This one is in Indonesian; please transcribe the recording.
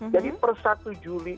jadi per satu juli